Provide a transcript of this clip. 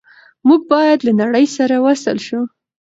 موږ باید له نړۍ سره وصل شو.